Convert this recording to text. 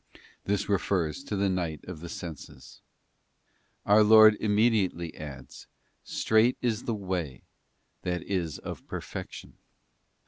This refers to the night of the senses. Our Lord immediately adds, ' Strait is the way,' that is of perfection.